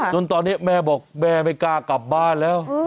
จนตอนนี้แม่บอกแม่ไม่กล้ากลับบ้านแล้ว